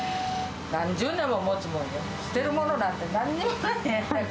何十年ももつものよ、捨てるものなんてなんにもないね。